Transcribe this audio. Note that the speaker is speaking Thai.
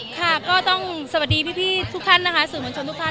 ค่ะก็ต้องสบดีพี่พี่ทุกครั้นนะคะสูญสมสมียดทุกครั้น